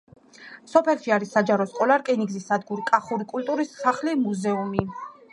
სოფელში არის საჯარო სკოლა, რკინიგზის სადგური „კახური“, კულტურის სახლი, მუზეუმი.